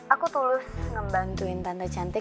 aku tulus ngebantuin tanda cantik